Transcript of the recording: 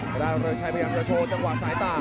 พระเจ้าเริ่มชัยพยายามจะโชว์จังหวะสายตา